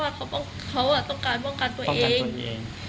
คือเขาทำพ่อไปเขาไม่กล้ามองพ่อด้วยซ้ำว่าพ่อเขาอยู่ในสภาพแบบไหน